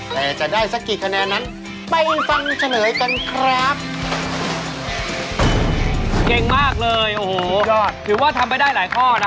และจะได้สักกี่คะแนนั้น